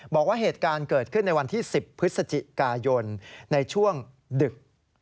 บอกว่าเหตุการณ์เกิดขึ้นในวันที่๑๐พฤศจิกายนในช่วงดึก